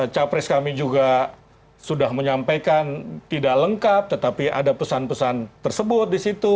capres kami juga sudah menyampaikan tidak lengkap tetapi ada pesan pesan tersebut di situ